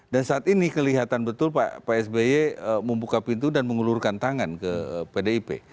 dan saat ini kelihatan betul pak sby membuka pintu dan mengelurkan tangan ke pdip